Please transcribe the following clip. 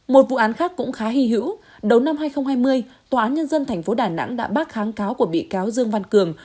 một vụ án khác cũng khá hy hữu đầu năm hai nghìn hai mươi tòa án nhân dân tp đà nẵng đã bác kháng cáo của bị cáo dương văn cường